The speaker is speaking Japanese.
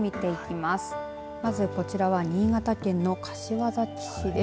まずこちらは新潟県の柏崎市です。